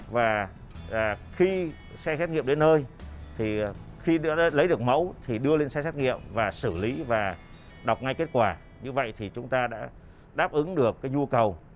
và khi xe xét nghiệm đến nơi thì khi đã lấy được mẫu thì đưa lên xe xét nghiệm và xử lý và đọc ngay kết quả như vậy thì chúng ta đã đáp ứng được nhu cầu